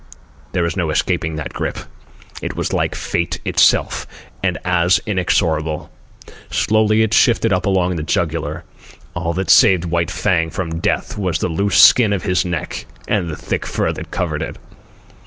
There was no escaping that grip. It was like Fate itself, and as inexorable. Slowly it shifted up along the jugular. All that saved White Fang from death was the loose skin of his neck and the thick fur that covered it.